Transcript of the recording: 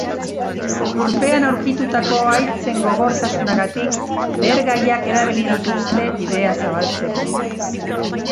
Lurpean aurkitutako haitzen gogortasunagatik, lehergaiak erabili dituzte, bidea zabaltzeko.